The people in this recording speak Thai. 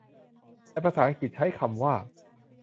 ในภาษาอังกฤษใช้คำว่า